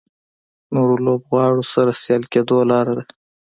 نورو لوبغاړو سره سیال کېدو لاره ده.